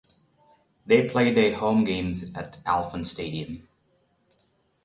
They played their home games at Alfond Stadium.